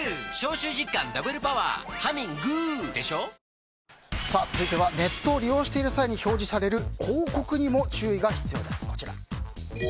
いいじゃないだって続いてはネットを利用している際に表示される広告にも注意が必要です。